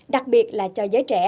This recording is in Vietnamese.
đặc biệt là cho giới trẻ